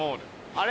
あれ？